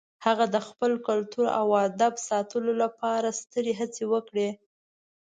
هغه د خپل کلتور او ادب ساتلو لپاره سترې هڅې وکړې.